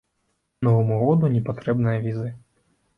Новаму году не патрэбныя візы.